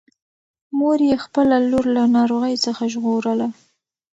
مور یې خپله لور له ناروغۍ څخه ژغورله.